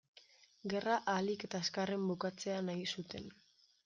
Gerra ahalik eta azkarren bukatzea nahi zuten.